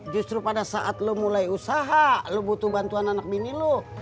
justru pada saat lo mulai usaha lo butuh bantuan anak mini lo